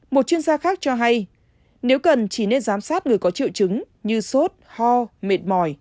một chuyên gia khác cho hay nếu cần chỉ nên giám sát người có triệu chứng như sốt ho mệt mỏi